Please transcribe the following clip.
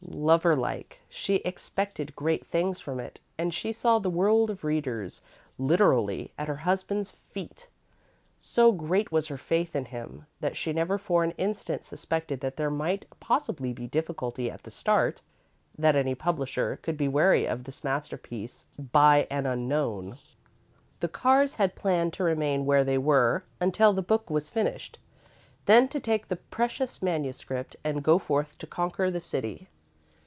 Lover like, she expected great things from it, and she saw the world of readers, literally, at her husband's feet. So great was her faith in him that she never for an instant suspected that there might possibly be difficulty at the start that any publisher could be wary of this masterpiece by an unknown. The Carrs had planned to remain where they were until the book was finished, then to take the precious manuscript, and go forth to conquer the City.